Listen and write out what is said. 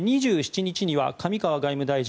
２７日には上川外務大臣